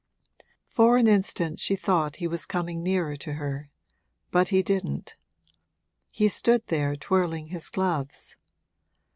For an instant she thought he was coming nearer to her, but he didn't: he stood there twirling his gloves.